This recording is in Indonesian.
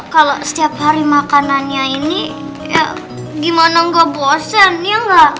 kalau setiap hari makanannya ini gimana gak bosen iya gak